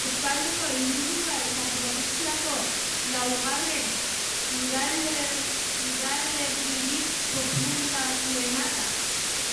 Eskualdeko hiriburua eta probintziako laugarren udalerririk populatuena da.